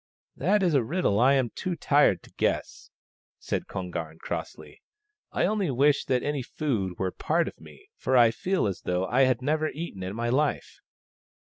" That is a riddle I am too tired to guess," said Kon garn crossly. " I only wish that any food were part of me, for I feel as though I had never eaten in my life."